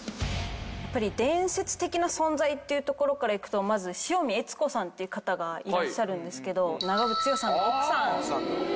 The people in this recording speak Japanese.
やっぱり伝説的な存在っていうところからいくとまず志穂美悦子さんっていう方がいらっしゃるんですけど長渕剛さんの奥さん。